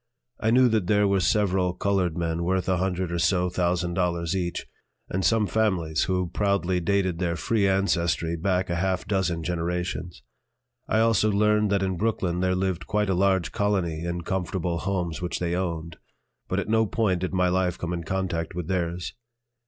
I knew that there were several colored men worth a hundred or so thousand dollars each, and some families who proudly dated their free ancestry back a half dozen generations. I also learned that in Brooklyn there lived quite a large colony in comfortable homes which they owned; but at no point did my life come in contact with theirs.